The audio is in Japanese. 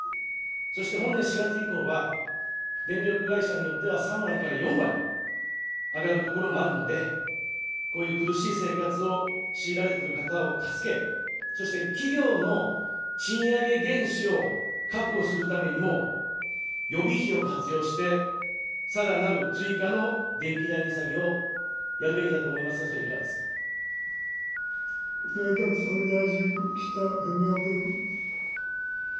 そして本年４月以降は、電力会社によっては３割から４割、上がるところもあるので、こういう苦しい生活を強いられてる方を助け、そして企業の賃上げ原資を確保するためにも、予備費を活用して、さらなる追加の電気代値下げをやるべきだと思いますが、総理、内閣総理大臣、岸田文雄君。